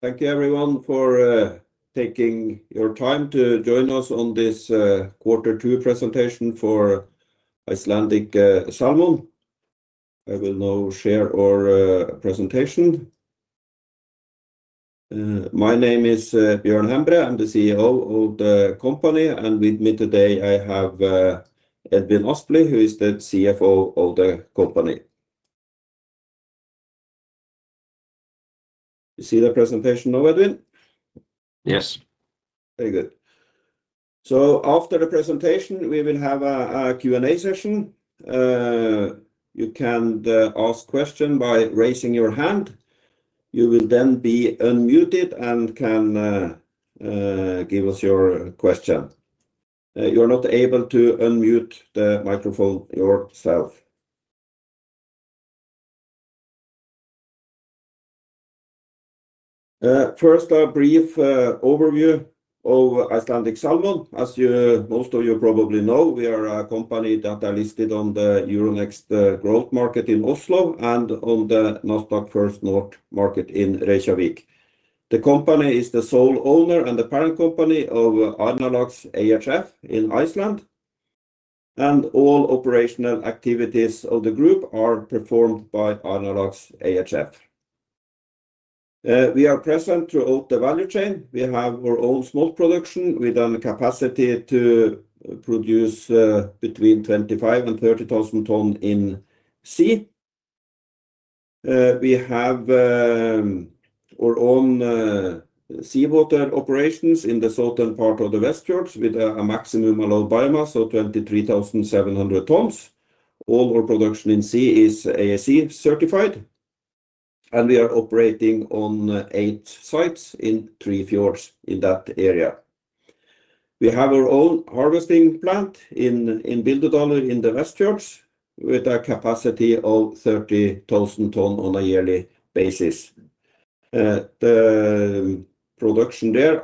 Thank you everyone for taking your time to join us on this Quarter Two presentation for Icelandic Salmon. I will now share our presentation. My name is Björn Hembre. I'm the CEO of the company, and with me today I have Edvin Aspli, who is the CFO of the company. You see the presentation now, Edvin? Yes. Very good. After the presentation, we will have a Q&A session. You can ask questions by raising your hand. You will then be unmuted and can give us your question. You are not able to unmute the microphone yourself. First, a brief overview of Icelandic Salmon. As most of you probably know, we are a company that is listed on the Euronext Growth Market in Oslo and on the Nasdaq First North Market in Reykjavik. The company is the sole owner and the parent company of Arnarlax ehf in Iceland, and all operational activities of the group are performed by Arnarlax ehf. We are present throughout the value chain. We have our own smolt production. We have the capacity to produce between 25,000-30,000 tons in sea. We have our own seawater operations in the southern part of the Westfjords with a maximum allowed biomass of 23,700 tons. All our production in sea is ASC certified, and we are operating on eight sites in three fjords in that area. We have our own harvesting plant in the Westfjords with a capacity of 30,000 tons on a yearly basis. The production there is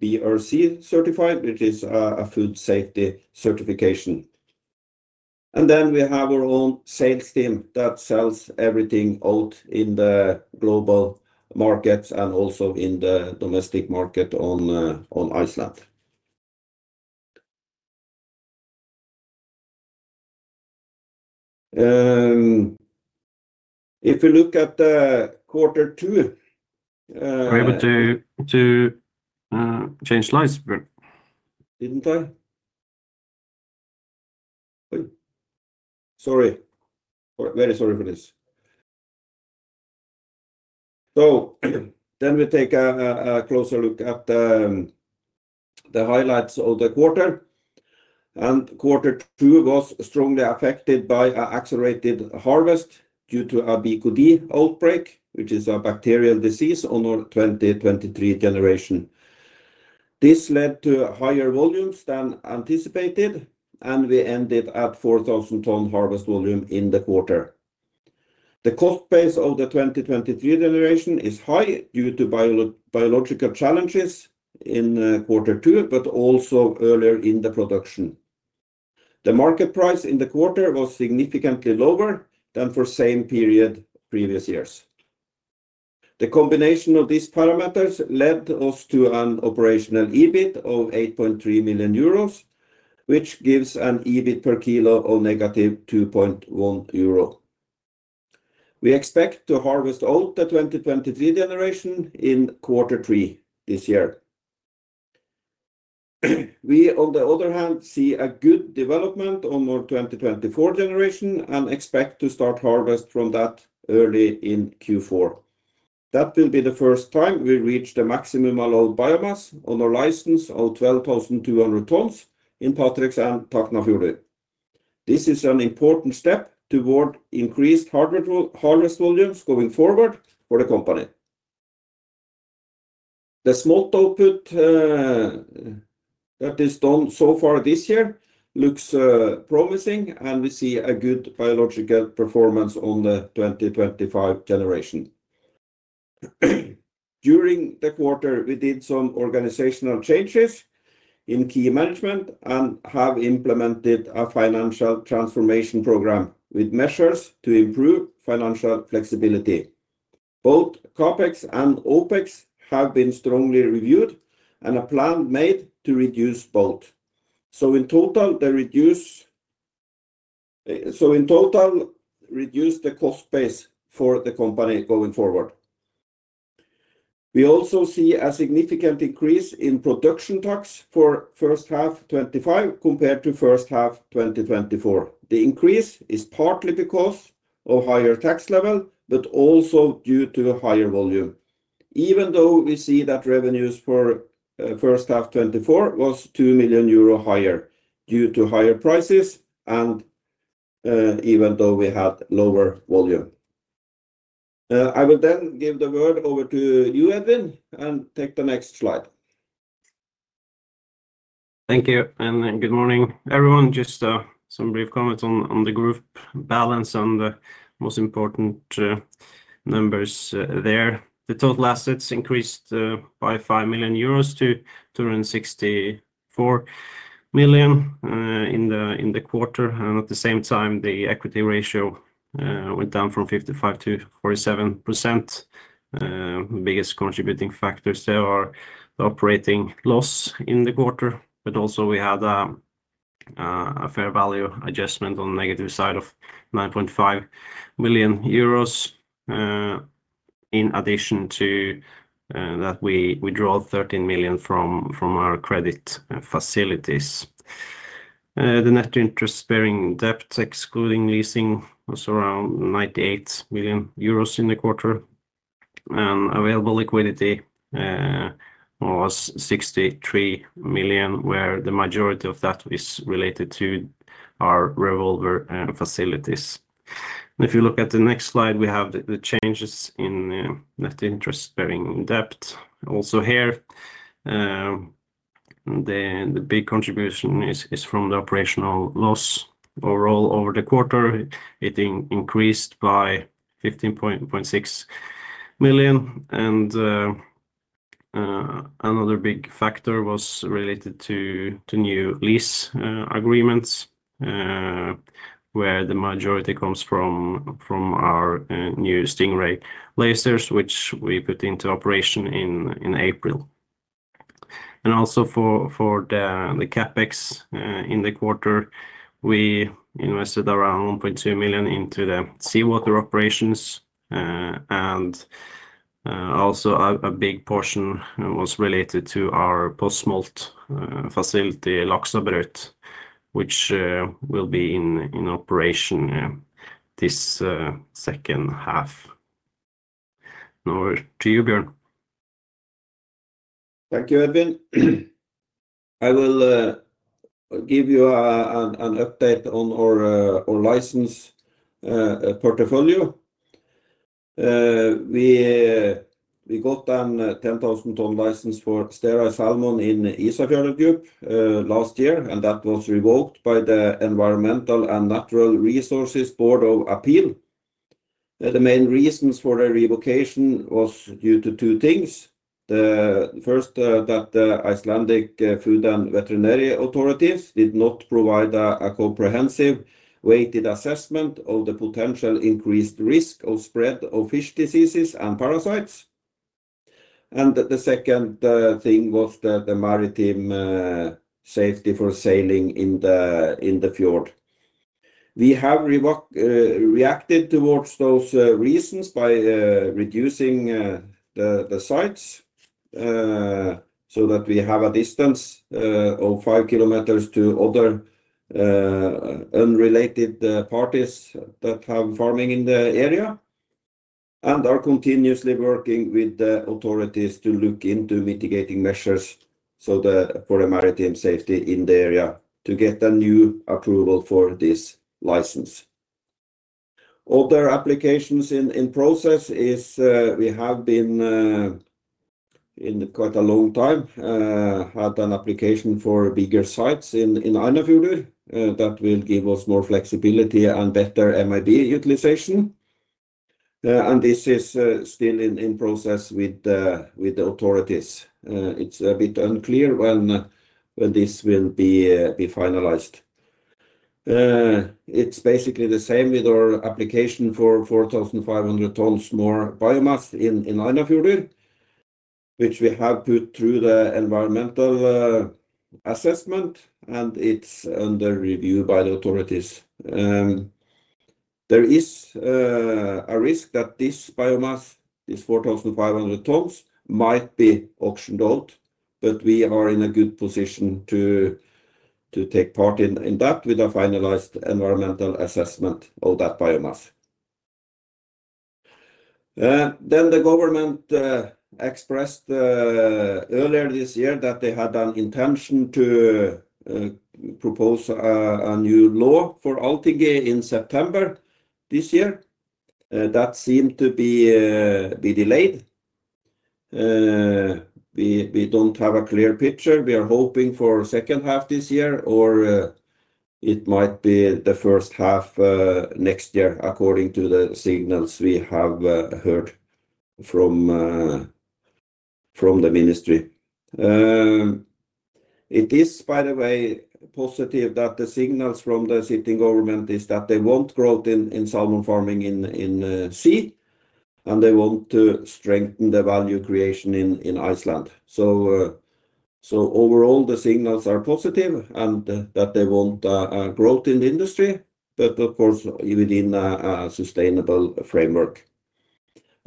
BRC certified, which is a food safety certification. We have our own sales team that sells everything out in the global markets and also in the domestic market in Iceland. If we look at quarter two. I'm able to change slides. Sorry. Very sorry for this. We take a closer look at the highlights of the quarter. Quarter two was strongly affected by an accelerated harvest due to a BKD outbreak, which is a bacterial disease on our 2023 generation. This led to higher volumes than anticipated, and we ended at 4,000 ton harvest volume in the quarter. The cost base of the 2023 generation is high due to biological challenges in quarter two, but also earlier in the production. The market price in the quarter was significantly lower than for the same period previous years. The combination of these parameters led us to an operational EBIT of €8.3 million, which gives an EBIT per kilo of negative €2.1. We expect to harvest out the 2023 generation in quarter three this year. We, on the other hand, see a good development on our 2024 generation and expect to start harvest from that early in Q4. That will be the first time we reach the maximum allowed biomass on a license of 12,200 tons in Patreksfjörður and Tálknafjörður. This is an important step toward increased harvest volumes going forward for the company. The smolt output that is done so far this year looks promising, and we see a good biological performance on the 2025 generation. During the quarter, we did some organizational changes in key management and have implemented a financial transformation program with measures to improve financial flexibility. Both CAPEX and OPEX have been strongly reviewed, and a plan made to reduce both. In total, reduce the cost base for the company going forward. We also see a significant increase in production tax for first half 2025 compared to first half 2024. The increase is partly because of a higher tax level, but also due to higher volume, even though we see that revenues for first half 2024 were €2 million higher due to higher prices, and even though we had lower volume. I will then give the word over to you, Edvin, and take the next slide. Thank you, and good morning, everyone. Just some brief comments on the group balance and the most important numbers there. The total assets increased by €5 million to €264 million in the quarter, and at the same time, the equity ratio went down from 55% to 47%. The biggest contributing factors there are the operating loss in the quarter, but also we had a fair value adjustment on the negative side of €9.5 million. In addition to that, we withdrew €13 million from our credit facilities. The net interest-bearing debt, excluding leasing, was around €98 million in the quarter, and available liquidity was €63 million, where the majority of that is related to our revolver facilities. If you look at the next slide, we have the changes in net interest-bearing debt. Also here, the big contribution is from the operational loss. Overall, over the quarter, it increased by €15.6 million. Another big factor was related to new lease agreements, where the majority comes from our new Stingray lasers, which we put into operation in April. For the CapEx in the quarter, we invested around €1.2 million into the seawater operations, and also a big portion was related to our post-smolt facility, Laxey, which will be in operation this second half. Now to you, Björn. Thank you, Edvin. I will give you an update on our license portfolio. We got a 10,000 ton license for sterile salmon in the Ísafjörður Group last year, and that was revoked by the Environmental and Natural Resources Board of Appeal. The main reasons for the revocation were due to two things. The first is that the Icelandic Food and Veterinary Authorities did not provide a comprehensive weighted assessment of the potential increased risk of spread of fish diseases and parasites. The second thing was the maritime safety for sailing in the fjord. We have reacted towards those reasons by reducing the sites so that we have a distance of five kilometers to other unrelated parties that have farming in the area and are continuously working with the authorities to look into mitigating measures for the maritime safety in the area to get a new approval for this license. Other applications in process are we have been in quite a long time, had an application for bigger sites in Arnarfjörður. That will give us more flexibility and better MID utilization. This is still in process with the authorities. It's a bit unclear when this will be finalized. It's basically the same with our application for 4,500 tons more biomass in Arnarfjörður, which we have put through the environmental assessment, and it's under review by the authorities. There is a risk that this biomass, this 4,500 tons, might be auctioned out, but we are in a good position to take part in that with a finalized environmental assessment of that biomass. The government expressed earlier this year that they had an intention to propose a new law for Althingi in September this year. That seemed to be delayed. We don't have a clear picture. We are hoping for a second half this year, or it might be the first half next year, according to the signals we have heard from the ministry. It is, by the way, positive that the signals from the sitting government are that they want growth in salmon farming in sea, and they want to strengthen the value creation in Iceland. Overall, the signals are positive and that they want growth in the industry, but of course, within a sustainable framework.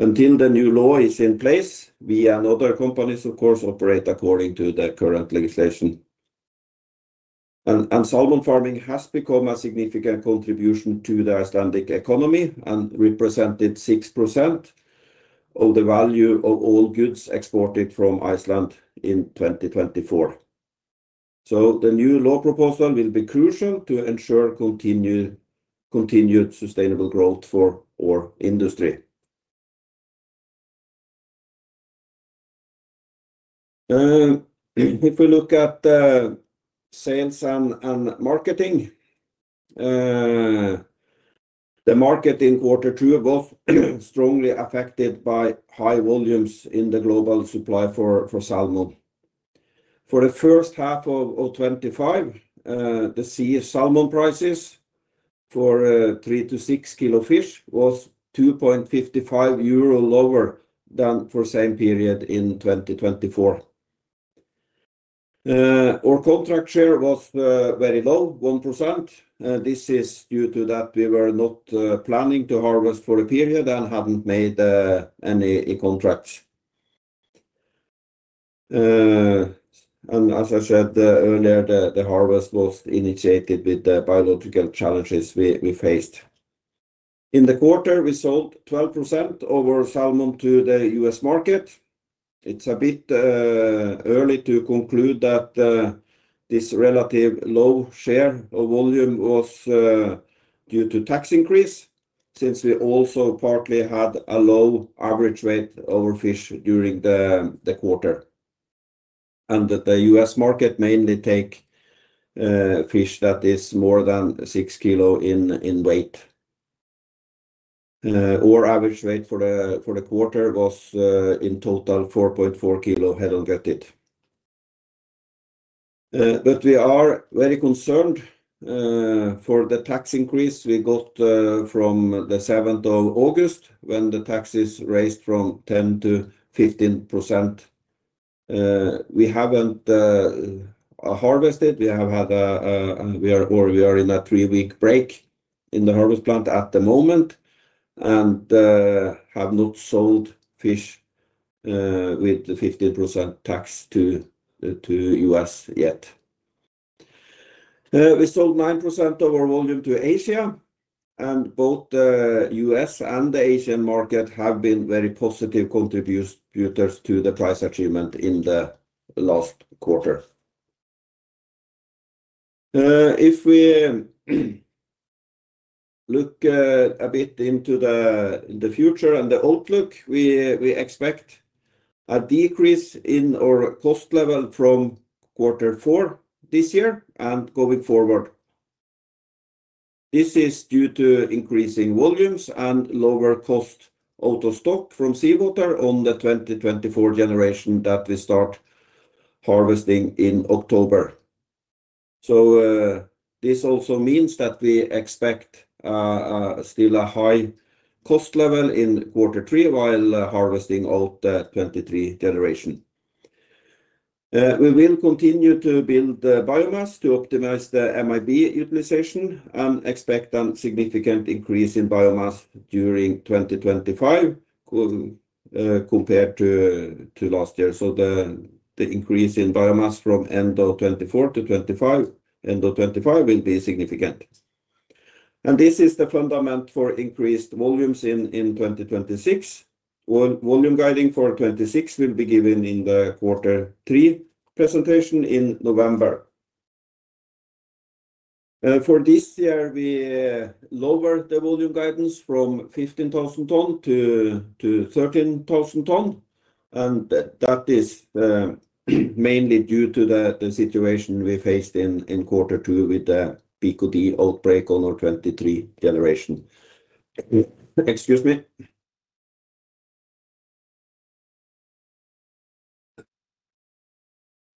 Until the new law is in place, we and other companies, of course, operate according to the current legislation. Salmon farming has become a significant contribution to the Icelandic economy and represented 6% of the value of all goods exported from Iceland in 2024. The new law proposal will be crucial to ensure continued sustainable growth for our industry. If we look at the sales and marketing, the market in quarter two was strongly affected by high volumes in the global supply for salmon. For the first half of 2025, the sea salmon prices for 3 kg-6 kg fish were €2.55 lower than for the same period in 2024. Our contract share was very low, 1%. This is due to that we were not planning to harvest for a period and hadn't made any contracts. As I said earlier, the harvest was initiated with the biological challenges we faced. In the quarter, we sold 12% of our salmon to the U.S. market. It's a bit early to conclude that this relative low share of volume was due to tax increase, since we also partly had a low average weight of our fish during the quarter. The U.S. market mainly takes fish that are more than 6 kg in weight. Our average weight for the quarter was in total 4.4 kg head-on gutted. We are very concerned for the tax increase we got from the 7th of August when the taxes raised from 10% to 15%. We haven't harvested. We are in a three-week break in the harvest plant at the moment and have not sold fish with the 15% tax to the U.S. yet. We sold 9% of our volume to Asia, and both the U.S. and the Asian market have been very positive contributors to the price achievement in the last quarter. If we look a bit into the future and the outlook, we expect a decrease in our cost level from quarter four this year and going forward. This is due to increasing volumes and lower cost out of stock from seawater on the 2024 generation that we start harvesting in October. This also means that we expect still a high cost level in quarter three while harvesting out the 2023 generation. We will continue to build biomass to optimize the MIB utilization and expect a significant increase in biomass during 2025 compared to last year. The increase in biomass from end of 2024 to 2025, end of 2025 will be significant. This is the fundament for increased volumes in 2026. Volume guiding for 2026 will be given in the quarter three presentation in November. For this year, we lowered the volume guidance from 15,000 ton to 13,000 ton, and that is mainly due to the situation we faced in quarter two with the BKD outbreak on our 2023 generation.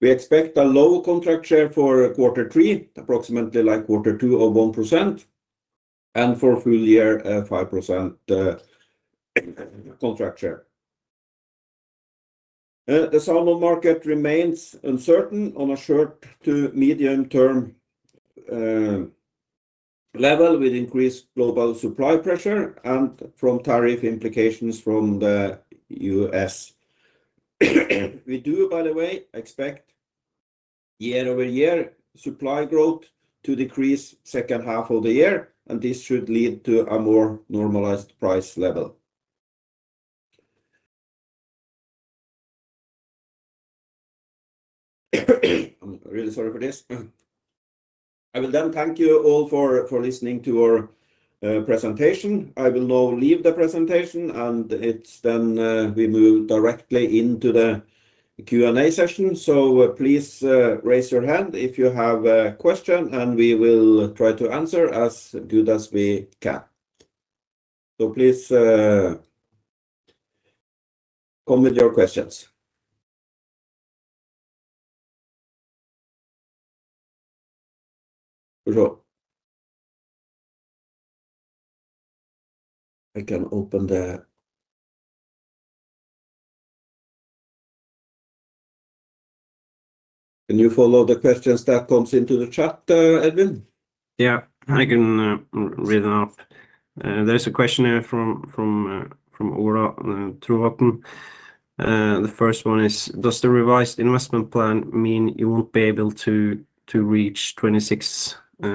We expect a lower contract share for quarter three, approximately like quarter two of 1%, and for the full year, a 5% contract share. The salmon market remains uncertain on a short to medium-term level with increased global supply pressure and from tariff implications from the U.S. We do, by the way, expect year-over-year supply growth to decrease the second half of the year, and this should lead to a more normalized price level. I'm really sorry for this. I will then thank you all for listening to our presentation. I will now leave the presentation, and we move directly into the Q&A session. Please raise your hand if you have a question, and we will try to answer as good as we can. Please come with your questions. I can open the. Can you follow the questions that come into the chat, Edvin? Yeah, I can read them out. There's a question here from [Ora Thurvatn]. The first one is, does the revised investment plan mean you won't be able to reach 26,000 tons of harvest? I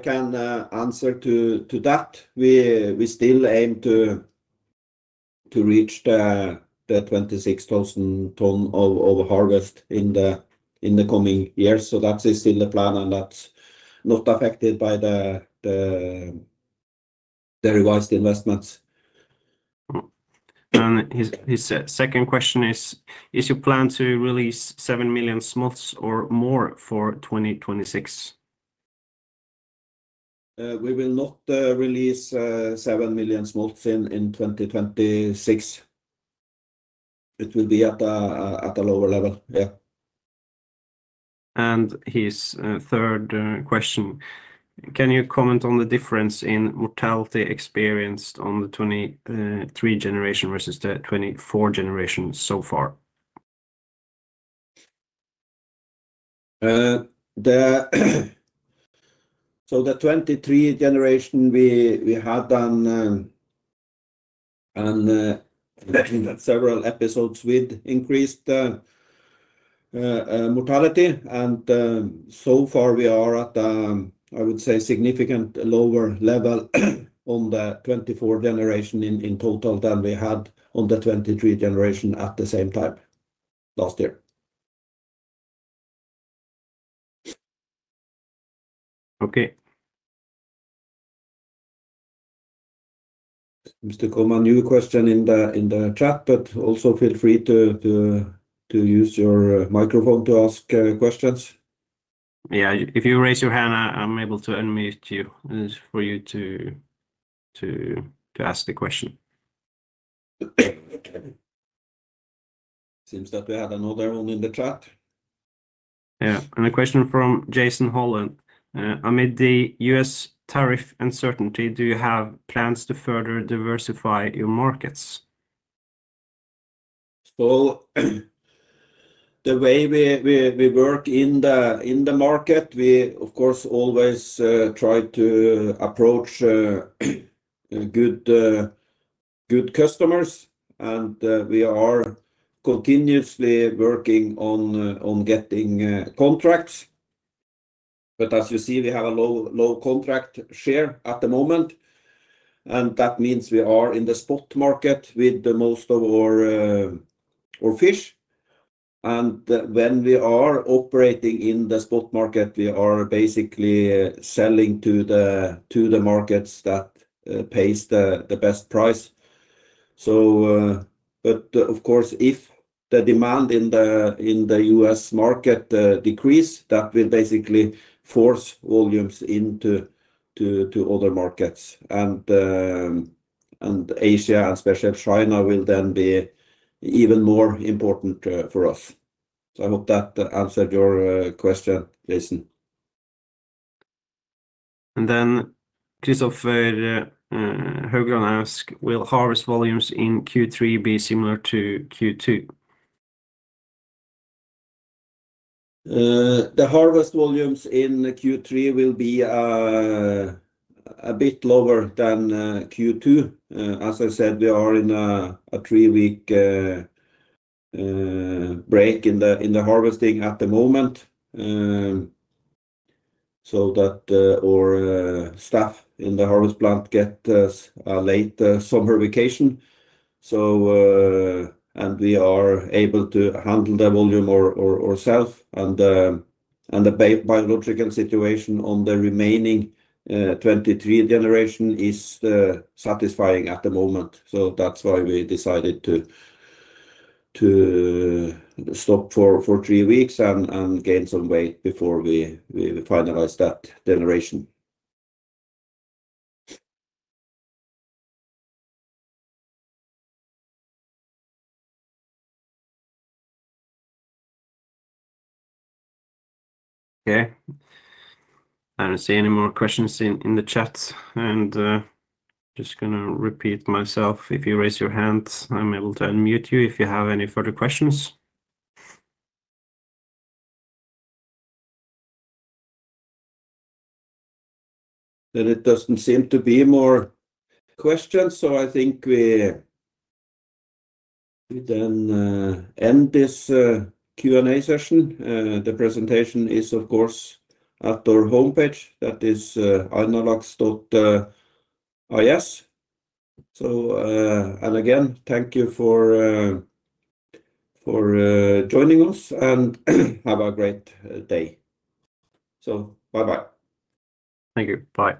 can answer to that. We still aim to reach the 26,000 ton of harvest in the coming years. That is still the plan, and that's not affected by the revised investments. His second question is, is your plan to release 7 million smolts or more for 2026? We will not release 7 million smolts in 2026. It will be at a lower level. His third question, can you comment on the difference in mortality experienced on the 2023 generation versus the 2024 generation so far? The 2023 generation, we had done several episodes with increased mortality, and so far we are at a, I would say, significantly lower level on the 2024 generation in total than we had on the 2023 generation at the same time last year. Okay. It seems to come a new question in the chat, but also feel free to use your microphone to ask questions. Yeah, if you raise your hand, I'm able to unmute you for you to ask the question. It seems that we had another one in the chat. Yeah, a question from Jason Holland. Amid the U.S. tariff uncertainty, do you have plans to further diversify your markets? The way we work in the market, we of course always try to approach good customers, and we are continuously working on getting contracts. As you see, we have a low contract share at the moment, and that means we are in the spot market with most of our fish. When we are operating in the spot market, we are basically selling to the markets that pay the best price. If the demand in the U.S. market decreases, that will basically force volumes into other markets. Asia and especially China will then be even more important for us. I hope that answered your question, Jason. [Christopher Höglund] asks, will harvest volumes in Q3 be similar to Q2? The harvest volumes in Q3 will be a bit lower than Q2. As I said, we are in a three-week break in the harvesting at the moment, so that our staff in the harvest plant gets a late summer vacation and we are able to handle the volume ourselves. The biological situation on the remaining 2023 generation is satisfying at the moment. That is why we decided to stop for three weeks and gain some weight before we finalize that generation. Okay. I don't see any more questions in the chat. I'm just going to repeat myself. If you raise your hands, I'm able to unmute you if you have any further questions. It doesn't seem to be more questions. I think we end this Q&A session. The presentation is, of course, at our homepage. That is arnarlax.is. Again, thank you for joining us, and have a great day. Bye-bye. Thank you. Bye.